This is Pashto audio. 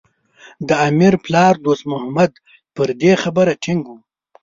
د امیر پلار دوست محمد پر دې خبره ټینګ و.